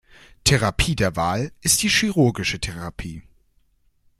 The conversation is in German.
Therapie der Wahl ist die chirurgische Therapie.